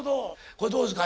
これどうですか？